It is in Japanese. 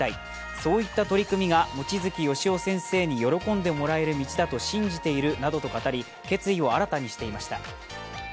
そういった取り組みが望月義夫先生に喜んでもらえる道だと信じていると語り決意を新たにしていました。